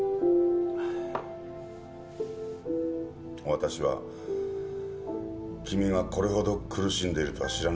わたしは君がこれほど苦しんでいるとは知らなかった。